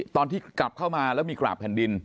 ตอนที่กลับเข้ามาแล้วมีกราบแผ่นดิน